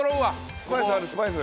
スパイスある、スパイス。